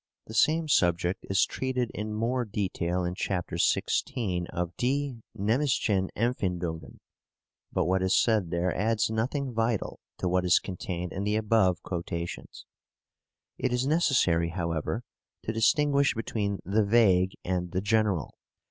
The same subject is treated in more detail in Chapter xvi of "Die mnemischen Empfindungen," but what is said there adds nothing vital to what is contained in the above quotations. It is necessary, however, to distinguish between the vague and the general.